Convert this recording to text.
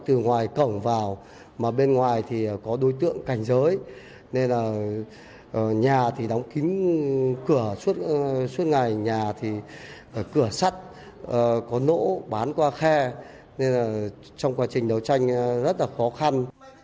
từ ngoài cổng vào mà bên ngoài thì có đối tượng cảnh giới nên là nhà thì đóng kín cửa suốt ngày nhà thì cửa sắt có nốt bán qua khe nên là trong quá trình đấu tranh rất là khó khăn